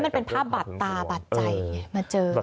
อันนี้เป็นภาพบัดตาบัดใจมาเจอ